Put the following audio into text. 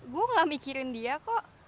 gue gak mikirin dia kok